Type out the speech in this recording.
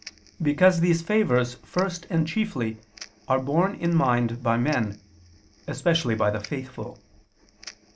Because these favors first and chiefly are borne in mind by men, especially by the faithful.